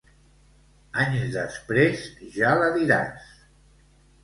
Anys després ja la diràs.